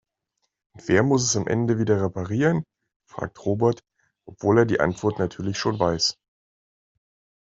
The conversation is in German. Und wer muss es am Ende wieder reparieren?, fragt Robert, obwohl er die Antwort natürlich schon weiß.